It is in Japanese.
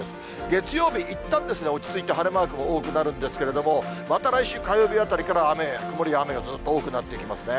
月曜日、いったん落ち着いて晴れマークも多くなるんですけど、また来週火曜日あたりから曇りや雨がずっと多くなってきますね。